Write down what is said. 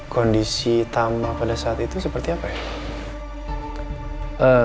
kondisi tama pada saat itu seperti apa ya